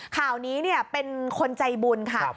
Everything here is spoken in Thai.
ข่าวนี้เป็นคนใจบุญค่ะ